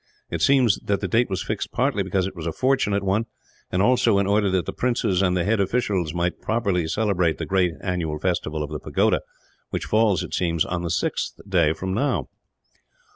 It seems that the date was fixed partly because it was a fortunate one, and also in order that the princes and head officials might properly celebrate the great annual festival of the pagoda; which falls, it seems, on the sixth day from now."